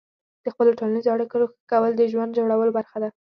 د خپلو ټولنیزو اړیکو ښه کول د ژوند جوړولو برخه ده.